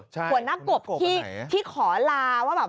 ใช่หัวหน้ากบไปไหนหน้ากบที่ขอลา